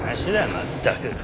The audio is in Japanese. まったく。